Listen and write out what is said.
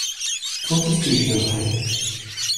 Quand est-ce que je viendrai ?